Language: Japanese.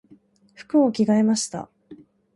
服を着替えました。